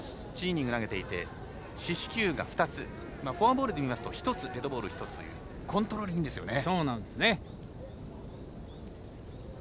１８イニングを投げていて四死球が２つフォアボールで見ますと１つデッドボール１つというコントロールいいんですよね。